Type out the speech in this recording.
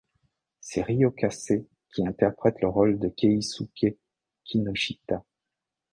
C'est Ryō Kase qui interprète le rôle de Keisuke Kinoshita.